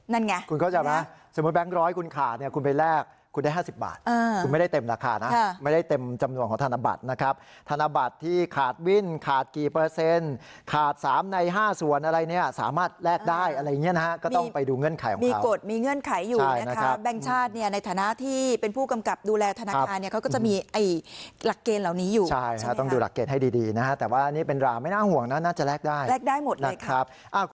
นั่นไงคุณเข้าใจไหมสมมติแบงค์ร้อยคุณขาดเนี่ยคุณไปแลกคุณได้ห้าสิบบาทคุณไม่ได้เต็มราคานะไม่ได้เต็มจำนวนของธนบัตรนะครับธนบัตรที่ขาดวินขาดกี่เปอร์เซ็นต์ขาดสามในห้าส่วนอะไรเนี่ยสามารถแลกได้อะไรอย่างเงี้ยนะฮะก็ต้องไปดูเงื่อนไขของเขามีกฎมีเงื่อนไขอยู่นะครับแบงค์ชาติเนี่ยใ